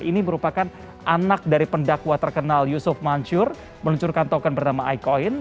ini merupakan anak dari pendakwa terkenal yusuf mansur meluncurkan token bernama ikoin